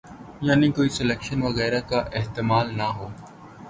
یعنی کوئی سلیکشن وغیرہ کا احتمال نہ ہو۔